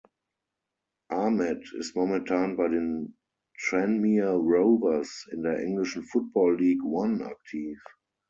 Ahmed ist momentan bei den Tranmere Rovers in der englischen Football League One aktiv.